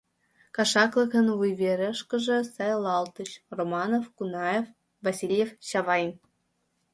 Кашаклыкын вуйверышкыже сайлалтыч: Романов, Кунаев, Васильев, Чавайн.